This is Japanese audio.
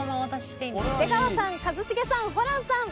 出川さん一茂さんホランさん！